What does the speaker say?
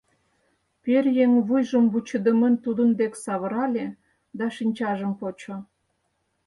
Пӧръеҥ вуйжым вучыдымын тудын дек савырале да шинчажым почо.